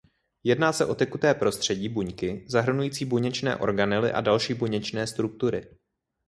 Jedná se o tekuté prostředí buňky zahrnující buněčné organely a další buněčné struktury.